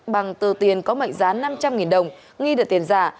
bằng tờ tiền có mệnh giá năm trăm linh đồng nghi được tiền giả